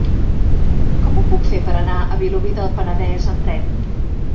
Com ho puc fer per anar a Vilobí del Penedès amb tren?